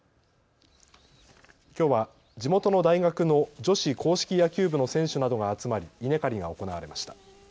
きょうは地元の大学の女子硬式野球部の選手などが集まり稲刈りが行われました。